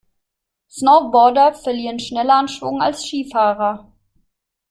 Snowboarder verlieren schneller an Schwung als Skifahrer.